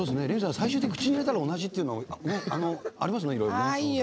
最終的に口に入れたら同じというのはありますね。